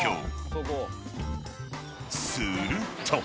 ［すると］